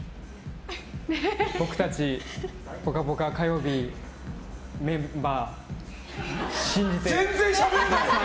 僕たち、「ぽかぽか」火曜日メンバー信じて。